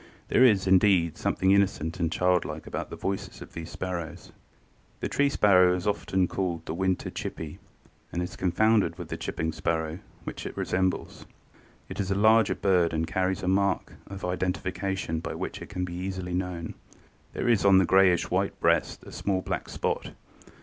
There is, indeed, something innocent and child like about the voices of these sparrows." The Tree Sparrow is often called the Winter Chippy and is confounded with the chipping sparrow, which it resembles. It is a larger bird and carries a mark of identification by which it may be easily known. There is on the grayish white breast a small black spot.